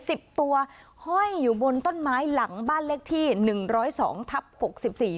สิบตัวห้อยอยู่บนต้นไม้หลังบ้านเลขที่หนึ่งร้อยสองทับหกสิบสี่